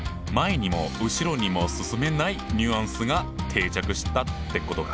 「前にも後ろにも進めない」ニュアンスが定着したってことか。